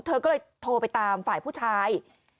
เธอก็เลยโทรไปตามฝ่ายผู้ชาย